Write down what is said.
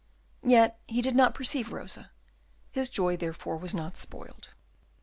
Yet he did not perceive Rosa; his joy therefore was not spoiled.